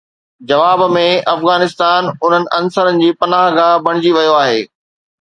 جواب ۾ افغانستان انهن عنصرن جي پناهه گاهه بڻجي ويو آهي